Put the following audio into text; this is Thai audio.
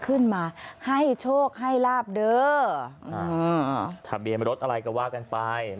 ขึ้นมาให้โชคให้ลาบเด้อภรรยาเราลดอะไรกระว่ากันไป